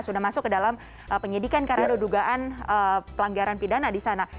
sudah masuk ke dalam penyidikan karena ada dugaan pelanggaran pidana di sana